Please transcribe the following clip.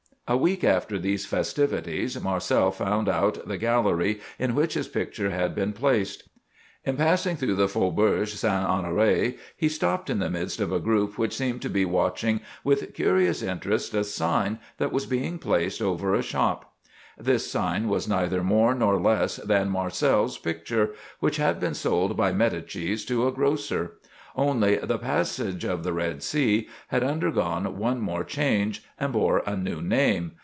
"A week after these festivities, Marcel found out the gallery in which his picture had been placed. In passing through the Faubourg St. Honoré, he stopped in the midst of a group which seemed to be watching with curious interest a sign that was being placed over a shop. This sign was neither more nor less than Marcel's picture, which had been sold by Médicis to a grocer. Only, 'The Passage of the Red Sea' had undergone one more change, and bore a new name.